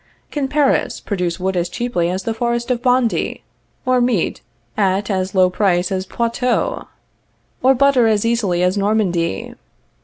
Can Paris produce wood as cheaply as the forest of Bondy, or meat at as low price as Poitou, or butter as easily as Normandy?